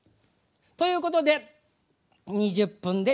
ということで２０分で。